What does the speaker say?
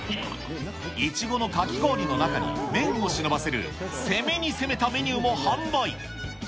いちごのかき氷の中に、麺をしのばせる攻めに攻めたメニューを販売。